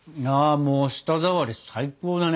もう舌触り最高だね。